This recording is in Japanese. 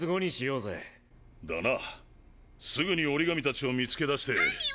だなすぐに折紙たちを見つけだして。